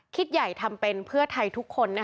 ใหญ่ทำเป็นเพื่อไทยทุกคน